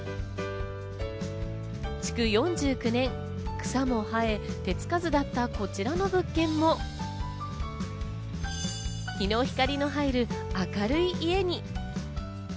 築４９年、草も生え、手付かずだったこちらの物件も、日の光の入る明るい家に。